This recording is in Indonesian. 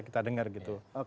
kita dengar gitu